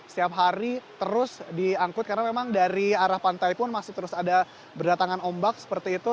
setiap hari terus diangkut karena memang dari arah pantai pun masih terus ada berdatangan ombak seperti itu